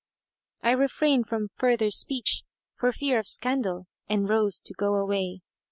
I refrained from further speech for fear of scandal and rose to go away.